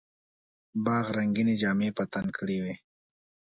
باغ رنګیني جامې په تن کړې وې.